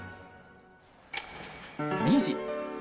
２時。